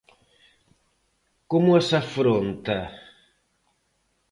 Como as afronta?